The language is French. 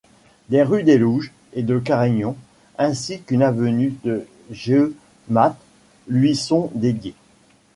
Des rues d’Élouges et de Quaregnon ainsi qu’une avenue de Jemappes lui sont dédiées.